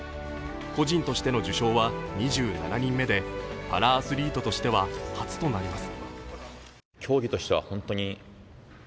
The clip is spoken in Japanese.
個人としての受賞は２７人目でパラアスリートとしては初となります。